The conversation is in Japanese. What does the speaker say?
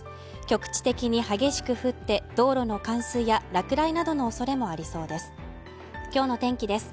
局地的に激しく降って道路の冠水や落雷などのおそれもありそうです